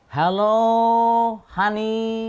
ฮัลโหลฮานี่